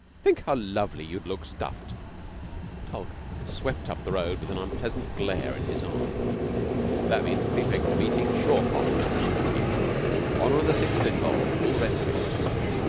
Think how lovely you'd look stuffed!" Tulke swept up the road with an unpleasant glare in his eye. "That means a prefects' meeting sure pop," said Stalky. "Honor of the Sixth involved, and all the rest of it.